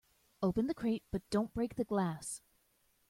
Open the crate but don't break the glass.